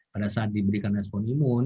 pada saat diberikan respon imun